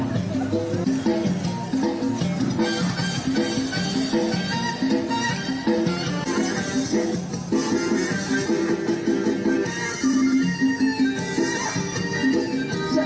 กลับมาเท่าไหร่